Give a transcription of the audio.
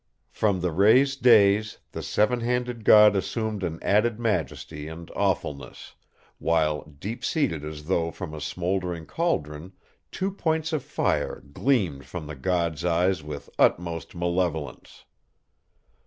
From the raised dais, the seven handed god assumed an added majesty and awfulness, while, deep seated as though from a smoldering caldron, two points of fire gleamed from the god's eyes with utmost malevolence.